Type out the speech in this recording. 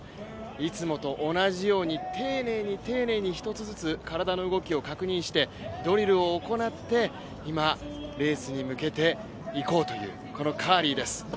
いつもと同じように、丁寧に丁寧に１つずつ体の動きを確認して、ドリルを行って、今、レースに向けていこうというカーリーです。